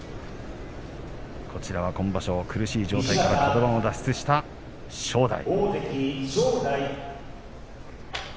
こちらは今場所、苦しい状態からカド番を脱出した正代。